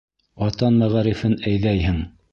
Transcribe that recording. Ватан мәғарифын әйҙәйһең.